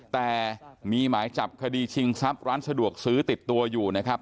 แต่มีหมายจับคดีชิงทรัพย์ร้านสะดวกซื้อติดตัวอยู่นะครับ